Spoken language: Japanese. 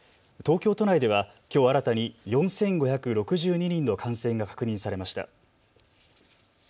東京都内では、きょう新たに４５６２人の感染が確認されました。